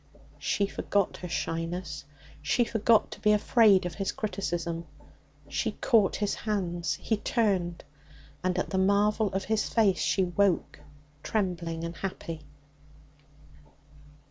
She forgot her shyness; she forgot to be afraid of his criticism; she caught his hands. He turned. And at the marvel of his face she woke, trembling and happy.